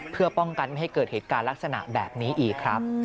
เพื่อป้องกันไม่ให้เกิดเหตุการณ์ลักษณะแบบนี้อีกครับ